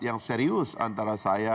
yang serius antara saya